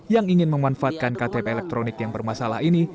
yang ingin memanfaatkan ktp elektronik yang bermasalah ini